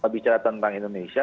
bicara tentang indonesia